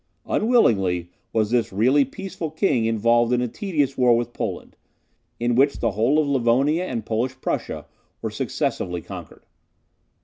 Unwillingly was this really peaceful king involved in a tedious war with Poland, in which the whole of Livonia and Polish Prussia were successively conquered.